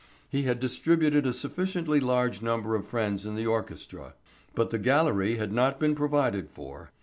He had distributed a sufficiently large number of friends in the orchestra, but the gallery had not been provided for.